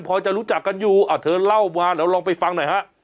พอจะรู้จักกันอยู่เธอเล่ามาเดี๋ยวลองไปฟังหน่อยฮะ